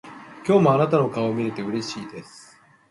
今日もあなたの顔を見れてうれしいです。